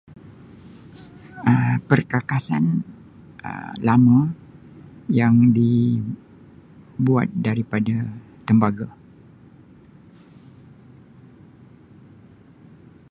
Um Perkakasan Um lame yang dibuat daripade tembage.